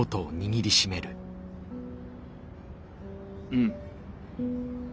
うん。